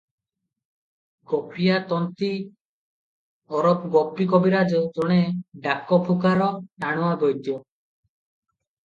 ଗୋପୀଆ ତନ୍ତୀ ଓରଫ ଗୋପୀ କବିରାଜ ଜଣେ ଡାକଫୁକାର ଟାଣୁଆ ବୈଦ୍ୟ ।